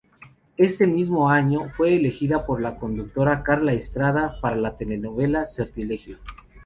Ese mismo año, fue elegida por la productora Carla Estrada para la telenovela "Sortilegio".